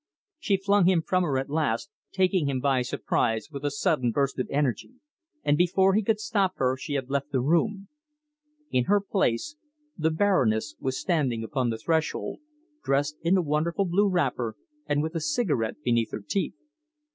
She flung him from her at last, taking him by surprise with a sudden burst of energy, and before he could stop her she had left the room. In her place, the Baroness was standing upon the threshold, dressed in a wonderful blue wrapper, and with a cigarette between her teeth.